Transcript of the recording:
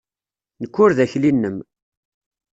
Nekk ur d akli-nnem!